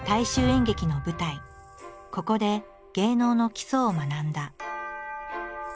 ここで芸能の基礎を学んだ。